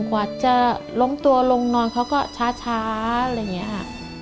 กว่าจะล้มตัวลงนอนเขาก็ช้าอะไรอย่างนี้ค่ะ